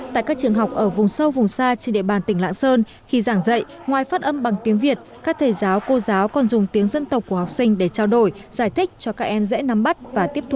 tại các trường học ở vùng sâu vùng xa trên địa bàn tỉnh lạng sơn khi giảng dạy ngoài phát âm bằng tiếng việt các thầy giáo cô giáo còn dùng tiếng dân tộc của học sinh để trao đổi giải thích cho các em dễ nắm bắt và tiếp tục thú